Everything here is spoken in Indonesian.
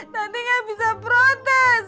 tati gak bisa protes